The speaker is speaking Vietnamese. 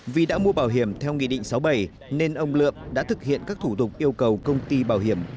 vì đã mua bảo hiểm theo nghị định sáu mươi bảy nên ông lượm đã thực hiện các thủ tục yêu cầu công ty bảo hiểm